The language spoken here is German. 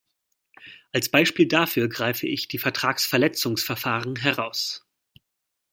Als Beispiel dafür greife ich die Vertragsverletzungsverfahren heraus.